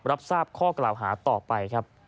รับทราบข้อกล่าวหาต่อไปครับ